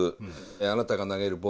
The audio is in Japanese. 「あなたが投げるボール。